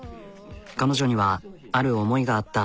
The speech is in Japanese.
彼女にはある思いがあった。